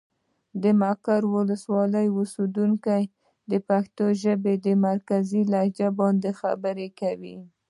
د مقر ولسوالي اوسېدونکي د پښتو ژبې مرکزي لهجه باندې خبرې کوي.